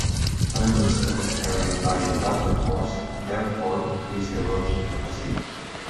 Sand and stones carried by the watercourse therefore increase erosion capacity.